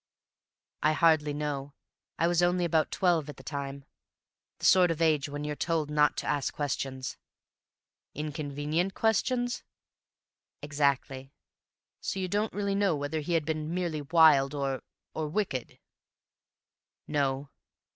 "I hardly know. I was only about twelve at the time. The sort of age when you're told not to ask questions." "Inconvenient questions?" "Exactly." "So you don't really know whether he had been merely wild or—or wicked?" "No.